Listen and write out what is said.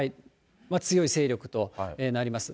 強い勢力となります。